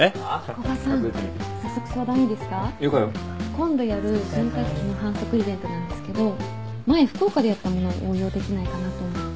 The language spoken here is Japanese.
今度やる洗濯機の販促イベントなんですけど前福岡でやったものを応用できないかなと思って。